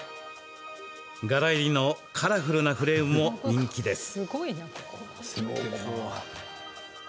柄入りのカラフルなフレームも人気です。